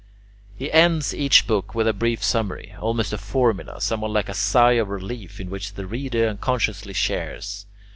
He ends each book with a brief summary, almost a formula, somewhat like a sigh of relief, in which the reader unconsciously shares.